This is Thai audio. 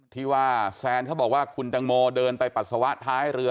ที่ว่าแซนเขาบอกว่าคุณตังโมเดินไปปัสสาวะท้ายเรือ